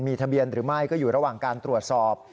ทะเบียนหรือไม่ก็อยู่ระหว่างการตรวจสอบ